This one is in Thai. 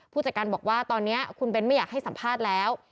ผู้จัดการบอกว่าตอนนี้คุณเบ้นไม่อยากให้สัมภาษณ์แล้ว